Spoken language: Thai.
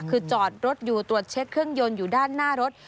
คือจอดรถอยู่ตรวจเช็คเครื่องยนต์อยู่ด้านหน้ารถ